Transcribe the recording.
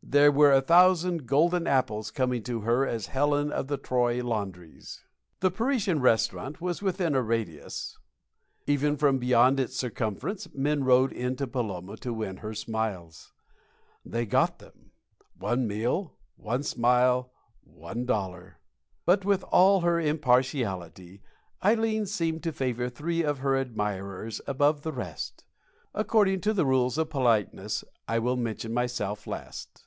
There were a thousand golden apples coming to her as Helen of the Troy laundries. The Parisian Restaurant was within a radius. Even from beyond its circumference men rode in to Paloma to win her smiles. They got them. One meal one smile one dollar. But, with all her impartiality, Ileen seemed to favor three of her admirers above the rest. According to the rules of politeness, I will mention myself last.